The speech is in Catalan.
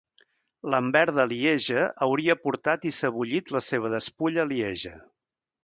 Lambert de Lieja hauria portat i sebollit la seva despulla a Lieja.